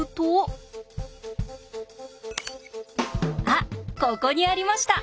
あっここにありました！